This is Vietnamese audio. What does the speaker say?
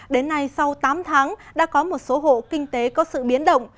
đến nay sau tám tháng đã có một số hộ kinh tế có sự biến động